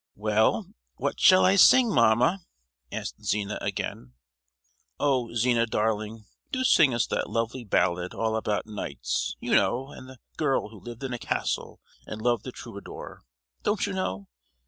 "Well, what shall I sing, mamma?" asked Zina again. "Oh Zina darling, do sing us that lovely ballad all about knights, you know, and the girl who lived in a castle and loved a troubadour. Don't you know!